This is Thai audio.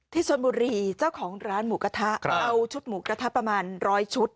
ชนบุรีเจ้าของร้านหมูกระทะเอาชุดหมูกระทะประมาณร้อยชุด